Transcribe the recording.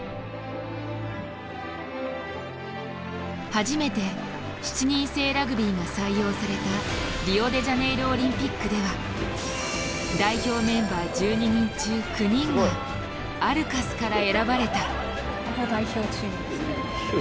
初めて７人制ラグビーが採用されたリオデジャネイロ・オリンピックでは代表メンバー１２人中９人がアルカスから選ばれた。